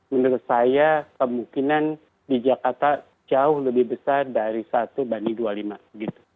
menurut saya kemungkinan di jakarta jauh lebih besar dari satu banding dua puluh lima gitu